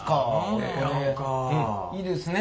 いいですね。